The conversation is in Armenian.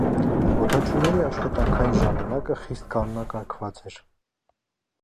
Օդաչուների աշխատանքային ժամանակը խիստ կանոնակարգված էր։